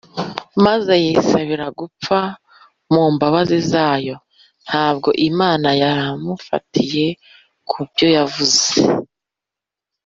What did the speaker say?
maze yisabira gupfa mu mbabazi zayo, ntabwo imana yamufatiye ku byo avuze